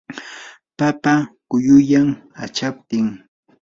papa quyuyan achaptin.